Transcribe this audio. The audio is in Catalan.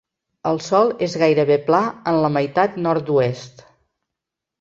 El sòl és gairebé pla en la meitat nord-oest.